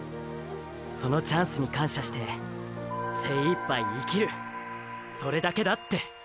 そのチャンスに感謝して“精一杯生きる”それだけだって！！